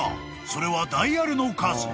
それはダイヤルの数］